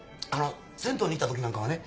銭湯に行ったときなんかはね。